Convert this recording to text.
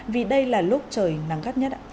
vì đây là lúc trời nắng gắt nhất ạ